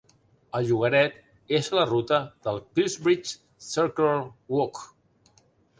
El llogaret és a la ruta del Piercebridge Circular Walk.